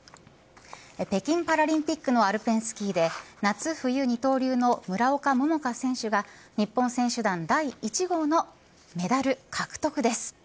北京パラリンピックのアルペンスキーで夏冬二刀流の村岡桃佳選手が日本選手団第１号のメダル獲得です。